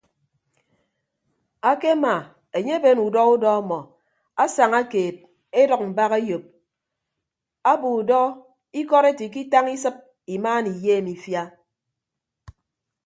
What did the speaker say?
Akemaa enye eben udọ udọ ọmọ asaña keed edʌk mbak eyop abo udọ ikọd ete ikitañ isịp imaana iyeem ifia.